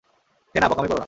থেনা, বোকামি কোরো না।